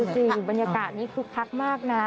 รู้จัยบรรยากาศนี่คลุกทักมากนะ